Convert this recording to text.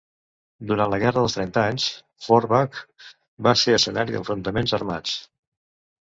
Durant la guerra dels Trenta Anys, Forbach va ser escenari d'enfrontaments armats.